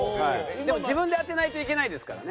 でも自分で当てないといけないですからね。